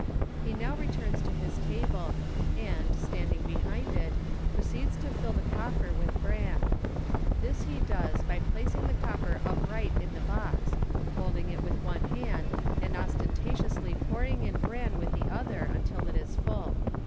He now returns to his table, and, standing behind it, proceeds to fill the coffer with bran. This he does by placing the coffer upright in the box, holding it with one hand and ostentatiously pouring in bran with the other until it is full.